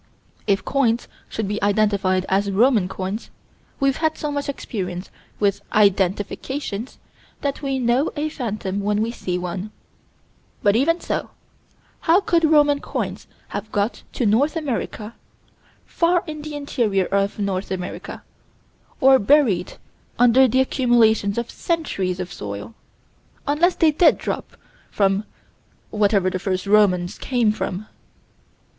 If coins should be identified as Roman coins, we've had so much experience with "identifications" that we know a phantom when we see one but, even so, how could Roman coins have got to North America far in the interior of North America or buried under the accumulation of centuries of soil unless they did drop from wherever the first Romans came from?